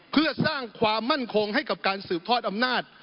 เพื่อสร้างความมั่นคงให้กับการสืบทอดอำนาจ